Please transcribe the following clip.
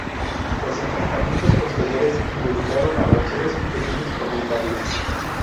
Los enfrentamientos posteriores involucraron a rancheros y pequeños propietarios.